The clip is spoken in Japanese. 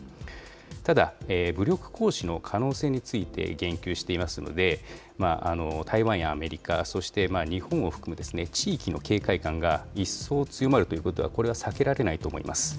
ただ、武力行使の可能性について言及していますので、台湾やアメリカ、そして日本を含む地域の警戒感が一層強まるということはこれは避けられないと思います。